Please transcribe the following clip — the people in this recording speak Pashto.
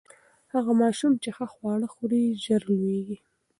هغه ماشوم چې ښه خواړه خوري، ژر لوییږي.